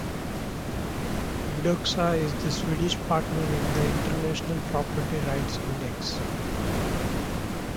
Eudoxa is the Swedish partner in the International Property Rights Index.